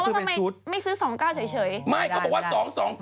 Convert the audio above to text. เพราะว่าทำไมไม่ซื้อ๒๙เฉย